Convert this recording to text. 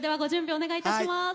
お願いいたします。